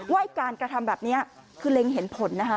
ไอ้การกระทำแบบนี้คือเล็งเห็นผลนะคะ